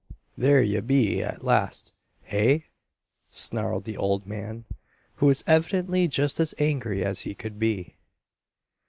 "There ye be, at last, hey?" snarled the old man, who was evidently just as angry as he could be.